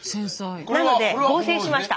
なので合成しました。